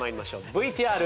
ＶＴＲ。